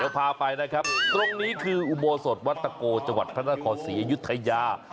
พาไปนะครับตรงนี้คืออุโบสถวัดตะโกจังหวัดพระนครศรีอยุธยา